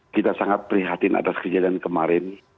kita sangat prihatin atas kejadian kemarin